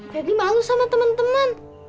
malu sama teman teman